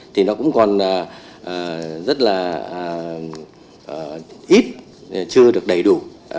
thì nó cũng còn rất là ít chưa được đầy đủ